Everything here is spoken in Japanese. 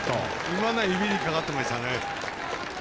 今のは指にかかってましたね。